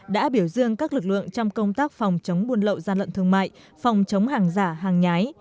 đã biểu dương các lực lượng trong công tác phòng chống buôn lậu gian lận thương mại phòng chống hàng giả hàng nhái